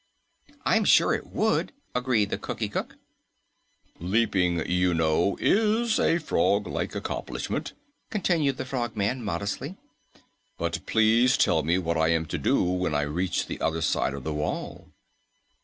"I'm sure it would," agreed the Cookie Cook. "Leaping, you know, is a froglike accomplishment," continued the Frogman modestly, "but please tell me what I am to do when I reach the other side of the wall."